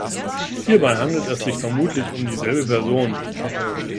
Hierbei handelt es sich vermutlich um dieselbe Person.